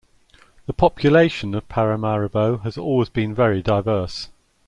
The population of Paramaribo has always been very diverse.